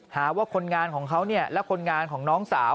หาว่าคนงานของเขาและคนงานของน้องสาว